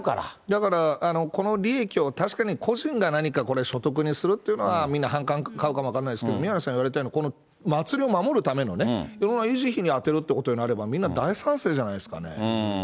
だからこの利益を、確かに個人が何か所得にするっていうのはみんな反感買うかも分かんないですけど、宮根さん言われたように、この祭りを守るためのね、維持費に充てるということであれば大賛成じゃないですかね。